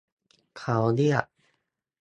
เค้าเรียก